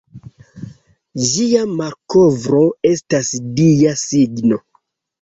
Ĝia malkovro estas Dia signo.